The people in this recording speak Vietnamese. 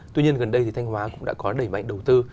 tuy nhiên gần đây thì thanh hóa cũng đã có đẩy mạnh đầu tư